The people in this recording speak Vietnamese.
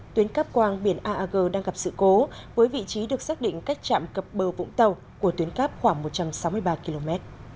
tuyến cáp quang biển a a g đang gặp sự cố với vị trí được xác định cách chạm cập bờ vũng tàu của tuyến cáp khoảng một trăm sáu mươi ba km